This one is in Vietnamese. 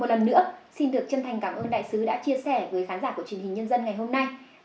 của truyền hình nhân dân ngày hôm nay